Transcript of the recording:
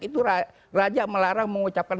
itu raja melarang mengucapkan